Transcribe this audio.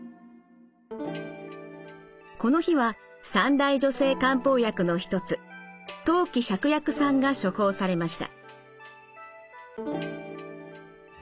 この日は三大女性漢方薬の一つ当帰芍薬散が処方されました。